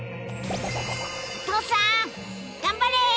お父さん頑張れ！